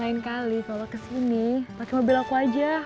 lain kali kalau kesini pakai mobil aku saja